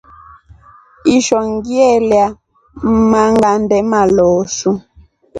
Ishoo nʼgielya mangʼande maloosu.